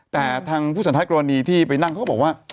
แต่ทางผู้สำมารถกรณีที่ไปนั่งเค้าบอกว่า